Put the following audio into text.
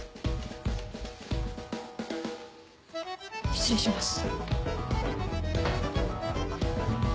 失礼します。